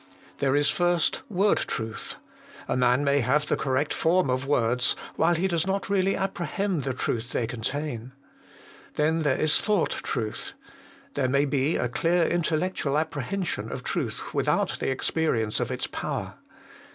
There is first word truth ; a man may have the correct form of words while he does not really apprehend the truth they contain. Then there is thought truth ; there may be a clear intellectual apprehension of truth without the experience of its power.